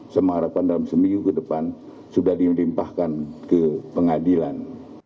semaharapan dalam seminggu ke depan sudah dilimpahkan ke pengadilan